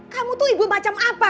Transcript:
kamu tuh ibu macam apa